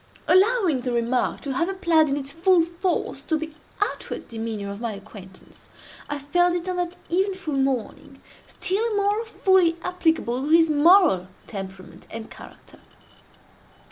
Allowing the remark to have applied in its full force to the outward demeanor of my acquaintance, I felt it, on that eventful morning, still more fully applicable to his moral temperament and character.